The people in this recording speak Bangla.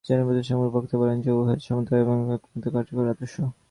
জাতিপ্রথার সপক্ষে বক্তা বলেন যে, উহাই সমতা এবং ভ্রাতৃত্বের একমাত্র কার্যকর আদর্শ।